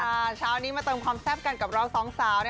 ค่ะชาวนี้มาเติมความแซ่บกันกับเรา๒สาว